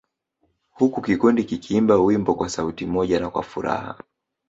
Huku kikundi kikiimba wimbo kwa sauti moja na kwa furaha